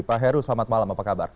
pak heru selamat malam apa kabar